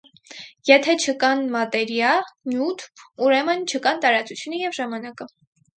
Եթե չկան մատերիա , նյութ , ուրեմն չկան տարածությունը և ժամանակը։